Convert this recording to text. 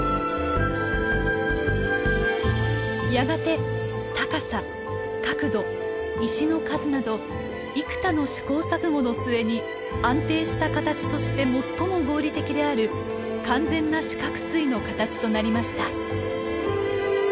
やがて高さ角度石の数など幾多の試行錯誤の末に安定した形として最も合理的である完全な四角錐の形となりました。